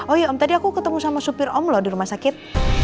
oh iya om tadi aku ketemu sama supir om loh di rumah sakit